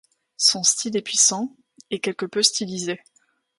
Son style est puissant et quelque peu stylisé.